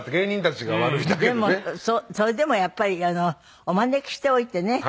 それでもやっぱりお招きしておいてね。